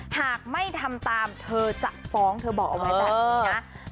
หากไม่ทำตามเธอจะฟ้องเธอบอกเอาไว้แบบนี้นะ